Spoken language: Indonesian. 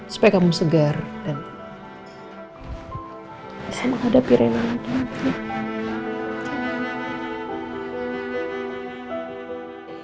supaya kamu segar dan bisa menghadapi rena nanti